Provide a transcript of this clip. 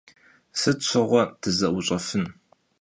Sıt şığue dıze'uş'efın?